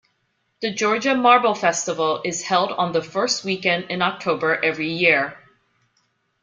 The Georgia Marble Festival is held on the first weekend in October every year.